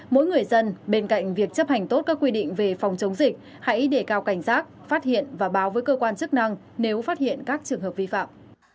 mỗi người dân bên cạnh việc chấp hành tốt các quy định về phòng chống dịch hãy đề cao cảnh giác phát hiện và báo với cơ quan chức năng nếu phát hiện các trường hợp vi phạm